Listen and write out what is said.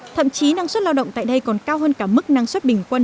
thậm chí năng suất lao động tại đây còn cao hơn cả mức năng suất bình quân